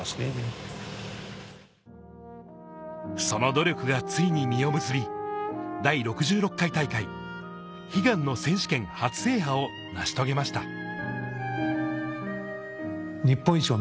その努力がついに実を結び、第６６回大会、悲願の選手権初制覇を成し遂げました。